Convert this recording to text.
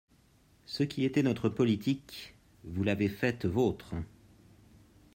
Ce qui était notre politique, vous l’avez faite vôtre.